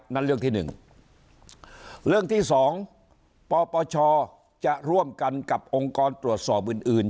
นั่นเรื่องที่หนึ่งเรื่องที่สองปปชจะร่วมกันกับองค์กรตรวจสอบอื่นอื่น